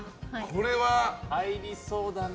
これは入りそうだな。